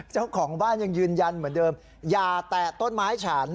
เจ้าของบ้านยังยืนยันเหมือนเดิมอย่าแตะต้นไม้ฉัน